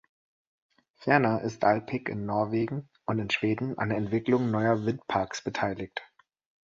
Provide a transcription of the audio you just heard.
Ferner ist Alpiq in Norwegen und in Schweden an der Entwicklung neuer Windparks beteiligt.